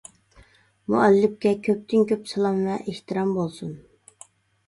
مۇئەللىپكە كۆپتىن-كۆپ سالام ۋە ئېھتىرام بولسۇن!